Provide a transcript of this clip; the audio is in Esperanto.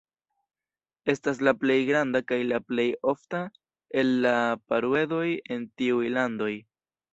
Estas la plej granda kaj la plej ofta el la paruedoj en tiuj landoj.